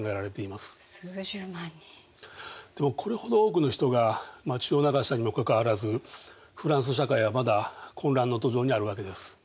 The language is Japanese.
でもこれほど多くの人が血を流したにもかかわらずフランス社会はまだ混乱の途上にあるわけです。